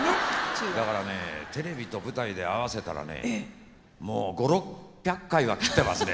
だからねテレビと舞台で合わせたらねもう５００６００回は斬ってますね。